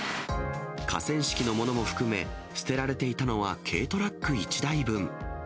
河川敷のものも含め、捨てられていたのは軽トラック１台分。